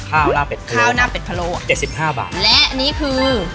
ข้าวหน้าเป็ดพะโลค่ะ๗๕บาทและนี่คือ